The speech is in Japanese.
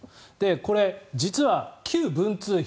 これ、実は旧文通費